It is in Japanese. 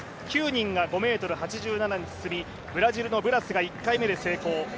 ９人が５ｍ８７に進みブラジルのブラスが１回目で成功。